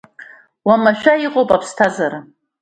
Умашәа иҟоуп аԥсҭазаара!